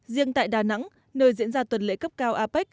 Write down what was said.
riêng tại đà nẵng nơi diễn ra tuần lễ cấp cao apec